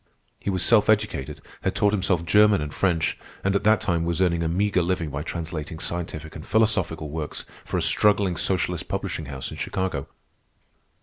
He was self educated, had taught himself German and French, and at that time was earning a meagre living by translating scientific and philosophical works for a struggling socialist publishing house in Chicago.